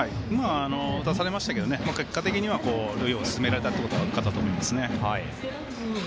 打たされましたけど結果的には塁を進められたというのはよかったと思いますね。